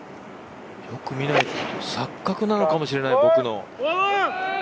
よく見ないと、錯覚なのかもしれない僕の。